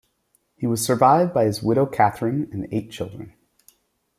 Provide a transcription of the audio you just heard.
He was survived by his widow Katherine and eight children.